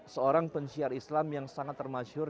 seorang penciar islam yang sangat termasyur